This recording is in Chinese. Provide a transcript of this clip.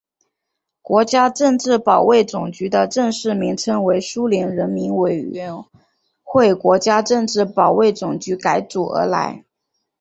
国家政治保卫总局的正式名称为苏联人民委员会国家政治保卫总局改组而来。